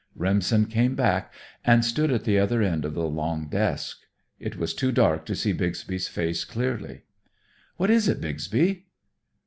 Remsen came back and stood at the other end of the long desk. It was too dark to see Bixby's face clearly. "What is it, Bixby?"